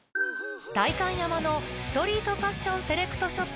代官山のストリートファッションセレクトショップ